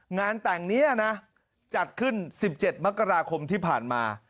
งานแต่งนี้นะจัดขึ้น๑๗มกราคมที่ผ่านมา